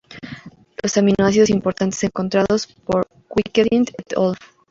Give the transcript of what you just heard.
Los aminoácidos importantes encontrados por "Wedekind et al.